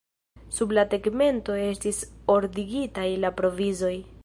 Sub la tegmento estis ordigitaj la provizoj.